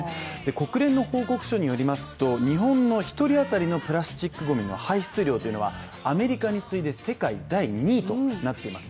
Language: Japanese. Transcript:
国連の報告書によりますと日本の１人当たりのプラスチックごみの排出量というのはアメリカに次いで世界第２位となっています。